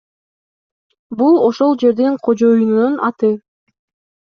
Бул ошол жердин кожоюнунун аты.